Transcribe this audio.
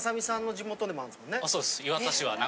そうです。